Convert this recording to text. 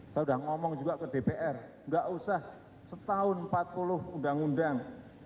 saya sudah ngomong juga ke dpr nggak usah setahun empat puluh undang undang